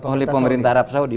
oleh pemerintah arab saudi